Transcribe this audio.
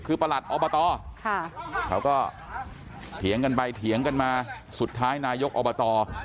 คือประหลัดอบตเขาก็เถียงกันไปเถียงกันมาสุดท้ายนายกอบต